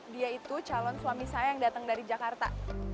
dia itu calon suami saya yang datang dari jakarta